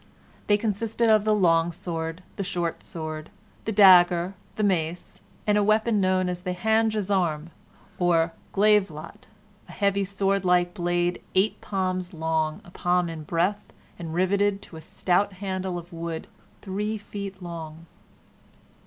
They consisted of the long sword, the short sword, the dagger, the mace, and a weapon known as the hand gisarm, or glave lot a heavy swordlike blade eight palms long, a palm in breadth, and riveted to a stout handle of wood three feet long.